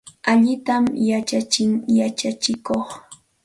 Allintam yachachin yachachiqqa.